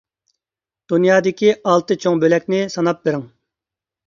دۇنيادىكى ئالتە چوڭ بۆلەكنى ساناپ بېرىڭ.